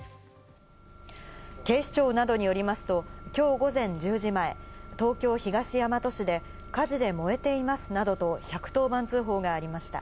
警視庁などによりますと、今日午前１０時前、東京・東大和市で火事で燃えていますなどと１１０番通報がありました。